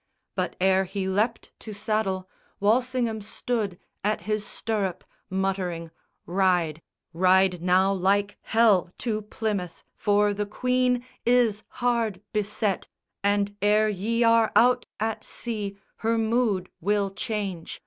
But ere he leapt to saddle Walsingham stood at his stirrup, muttering "Ride, Ride now like hell to Plymouth; for the Queen Is hard beset, and ere ye are out at sea Her mood will change.